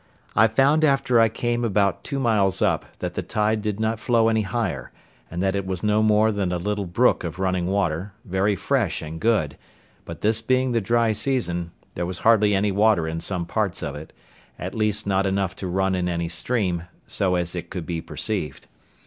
I found after I came about two miles up, that the tide did not flow any higher, and that it was no more than a little brook of running water, very fresh and good; but this being the dry season, there was hardly any water in some parts of it—at least not enough to run in any stream, so as it could be perceived.